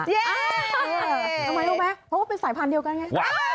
ทำไมรู้ไหมเพราะว่าเป็นสายพันธุ์เดียวกันไง